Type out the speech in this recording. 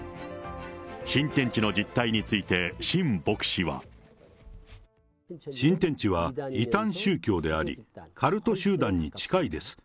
新天地の実態について、新天地は、異端宗教であり、カルト集団に近いです。